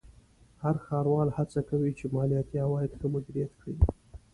هر ښاروال هڅه کوي چې مالیاتي عواید ښه مدیریت کړي.